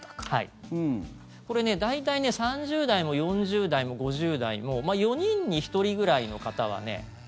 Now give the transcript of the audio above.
これね大体ね３０代も４０代も５０代も４人に１人ぐらいの方はね